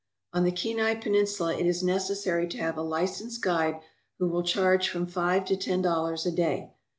On the Kenai Peninsula it is necessary to have a licensed guide who will charge from five to ten dollars a day.